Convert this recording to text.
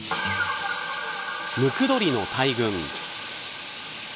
ムクドリの大群。